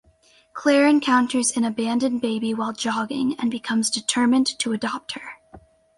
Claire encounters an abandoned baby while jogging and becomes determined to adopt her.